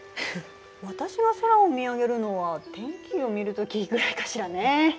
私は空を見上げるのは天気を見る時ぐらいかしらね。